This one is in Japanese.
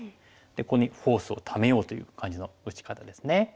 ここにフォースをためようという感じの打ち方ですね。